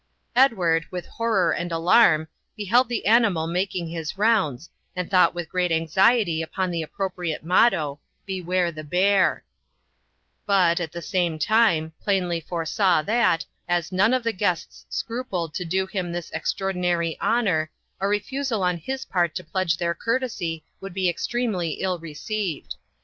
Edward, with horror and alarm, beheld the animal making his rounds, and thought with great anxiety upon the appropriate motto, 'Beware the Bear'; but, at the same time, plainly foresaw that, as none of the guests scrupled to do him this extraordinary honour, a refusal on his part to pledge their courtesy would be extremely ill received.